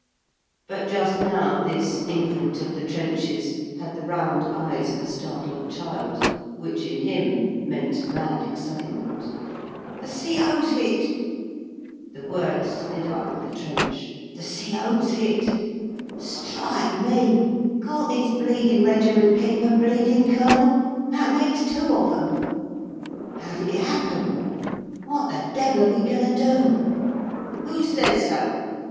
But just now this infant of the trenches had the round eyes of a startled child, which in him meant mad excitement. "The C.O.'s hit." The word slid up the trench: "The C.O.'s hit." "Strike me! Cawn't this bleedin' regiment keep a bleedin' Colonel ? That makes two of them!" "How did it happen?" "What the devil are we goin' to do?" "Who says so?"